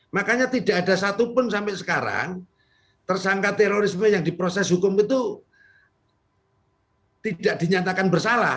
makanya tidak ada satupun sampai sekarang tersangka terorisme yang diproses hukum itu tidak dinyatakan bersalah